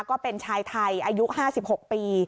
ก็เป็นชายไทยอายุ๕๖ปี